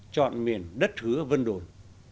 chọn miền đất hứa vân đồn